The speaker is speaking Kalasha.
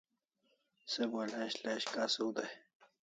Se bo lash lash kasiu dai